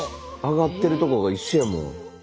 上がってるとこが一緒やもん。